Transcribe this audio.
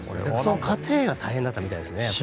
その過程が大変だったみたいですね。